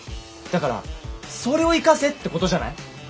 だからそれを生かせってことじゃない？